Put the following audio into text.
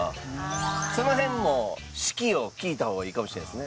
その辺も四季を聞いた方がいいかもしれないですね。